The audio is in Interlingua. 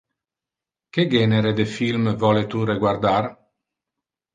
Que genere de film vole tu reguardar?